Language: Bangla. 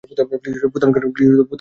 গিয়ে পুত্তানকে ডাকো।